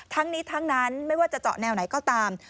ทั้งนี้ทั้งนั้นไม่ว่าจะเจาะแนวไหนก็ตาม